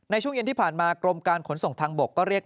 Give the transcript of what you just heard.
ในช่วงเย็นที่ผ่านมากรมการขนส่งทางบกก็เรียก